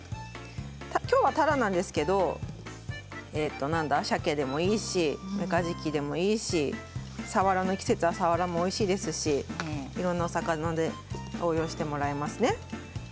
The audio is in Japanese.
きょうは、たらなんですけれどさけでもいいしめかじきでもいいしさわらの季節は、さわらもおいしいですしいろいろなお魚で応用してもらえますね。